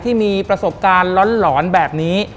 ที่มีประสบการณ์หลอนแบบนี้